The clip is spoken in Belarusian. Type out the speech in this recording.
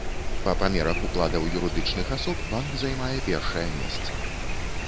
Па памерах укладаў юрыдычных асоб банк займае першае месца.